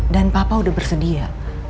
dan papa udah bersedia